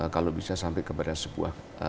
kalau bisa sampai kepada sebuah